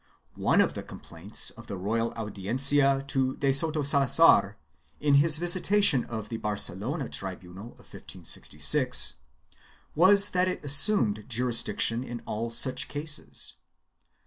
One of the complaints of the royal Audiencla to de Soto Salazar, in his visitation of the Barcelona tribunal in 1566, was that it assumed jurisdiction in all such cases.